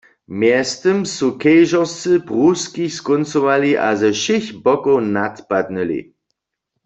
Mjeztym su kejžorscy pruskich skóncowali a ze wšěch bokow nadpadnyli.